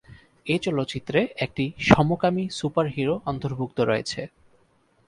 এ চলচ্চিত্রে একটি সমকামী সুপারহিরো অন্তর্ভুক্ত রয়েছে।